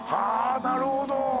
なるほど！